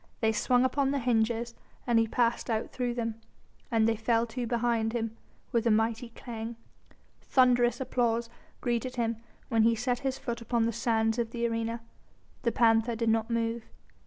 They swung upon their hinges and he passed out through them. And they fell to behind him with a mighty clang. Thunderous applause greeted him when he set his foot upon the sands of the arena. The panther did not move.